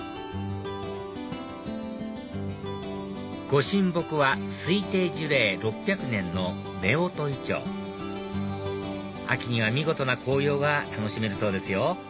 御神木は推定樹齢６００年の夫婦銀杏秋には見事な紅葉が楽しめるそうですよ